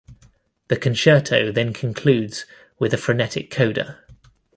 The concerto then concludes with a frenetic coda.